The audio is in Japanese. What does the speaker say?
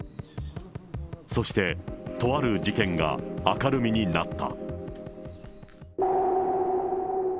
そして、とある事件が明るみになった。